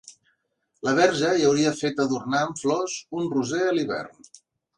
La Verge hi hauria fet adornar amb flors un roser a l'hivern!